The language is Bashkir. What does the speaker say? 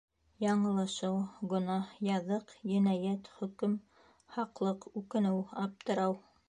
Яңылышыу, гонаһ-яҙык, енәйәт, хөкөм; һаҡлыҡ, үкенеү, аптырау